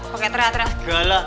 pakai terat terat segala